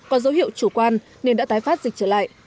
có dấu hiệu chủ quan nên đã tái phát dịch trở lại